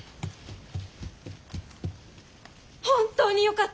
本当によかった。